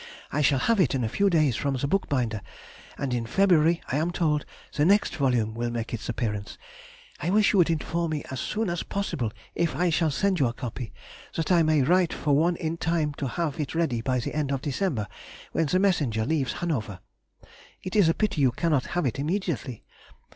I shall have it in a few days from the bookbinder, and in February, I am told, the next volume will make its appearance. I wish you would inform me as soon as possible if I shall send you a copy, that I may write for one in time to have it ready by the end of December, when the messenger leaves Hanover. It is a pity you cannot have it immediately.